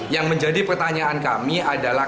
yang menjadi pertanyaan kami adalah